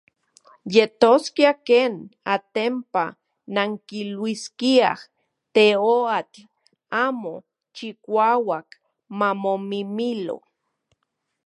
Yetoskia ken, atenpa, nankiluiskiaj teoatl amo chikauak mamomimilo.